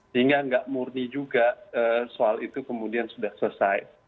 sehingga nggak murni juga soal itu kemudian sudah selesai